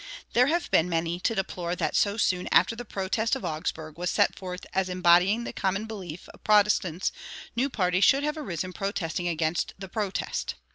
There have been many to deplore that so soon after the protest of Augsburg was set forth as embodying the common belief of Protestants new parties should have arisen protesting against the protest.